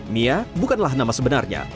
mia bukanlah nama sebenarnya